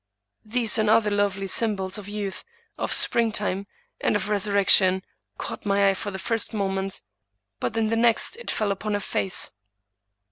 These and other lovely symbols of youth, of springtime, and of resur rection, caught my eye for the first moment; but in the next it fell upon her face.